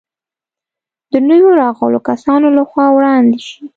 د نویو راغلو کسانو له خوا وړاندې شي.